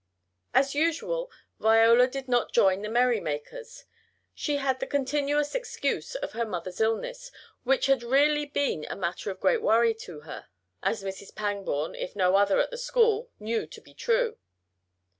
As usual Viola did not join the merry makers. She had the continuous excuse of her mother's illness, which had really been a matter of great worry to her, as Mrs. Pangborn, if no other at the school, knew to be true.